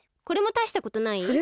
これもたいしたことない？